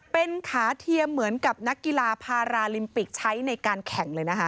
เป็นขาเทียมเหมือนกับนักกีฬาพาราลิมปิกใช้ในการแข่งเลยนะคะ